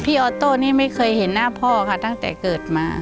ออโต้นี่ไม่เคยเห็นหน้าพ่อค่ะตั้งแต่เกิดมา